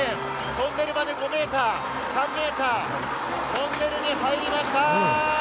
トンネルまで５ｍ、３ｍ、トンネルに入りました！